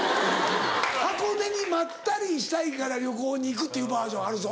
箱根にまったりしたいから旅行に行くっていうバージョンあるぞ。